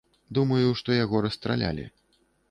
Думаю, што яго расстралялі.